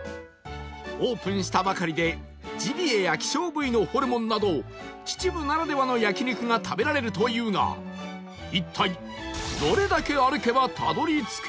オープンしたばかりでジビエや希少部位のホルモンなど秩父ならではの焼肉が食べられるというが一体